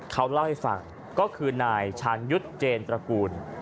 เขาเล่าให้ฟังก็คือนายชาญยุทธ์เจนตระกูล